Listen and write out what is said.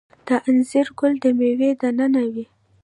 د انځر ګل د میوې دننه وي؟